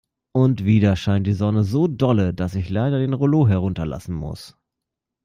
Und wieder scheint die Sonne so dolle, dass ich leider den Rollo hinunterlassen muss.